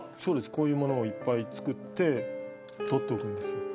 こういうものをいっぱい作って取っておくんですよ。